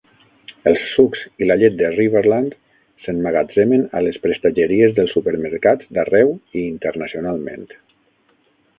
Els sucs i la llet de Riverland s'emmagatzemen a les prestatgeries dels supermercats d'arreu i internacionalment.